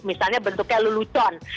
misalnya bentuknya lelucon